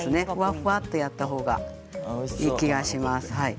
ふわってやった方がいい気がします。